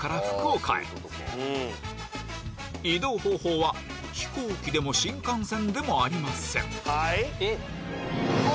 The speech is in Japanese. まずは飛行機でも新幹線でもありません